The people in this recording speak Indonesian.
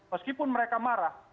meskipun mereka marah